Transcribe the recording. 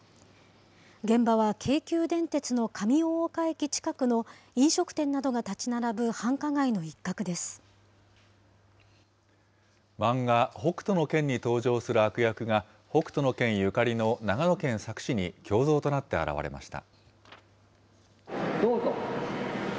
現場は京急電鉄の上大岡駅近くの飲食店などが建ち並ぶ繁華街の一漫画、北斗の拳に登場する悪役が、北斗の拳ゆかりの長野県佐久市に胸像となって現れました。